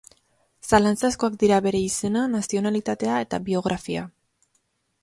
Zalantzazkoak dira bere izena, nazionalitatea eta biografia.